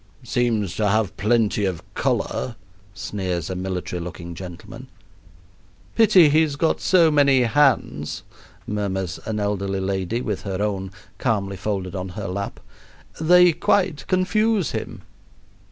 "Seems to have plenty of color," sneers a military looking gentleman. "Pity he's got so many hands," murmurs an elderly lady, with her own calmly folded on her lap. "They quite confuse him."